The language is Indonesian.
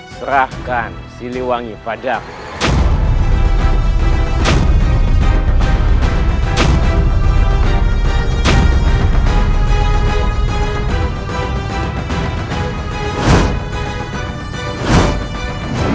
serahkan siliwangi padamu